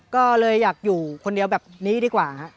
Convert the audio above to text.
ก็เลยอยากอยู่คนเดียวแบบนี้ดีกว่าครับ